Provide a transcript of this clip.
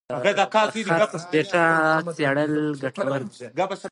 د خرڅ ډیټا څېړل ګټور دي.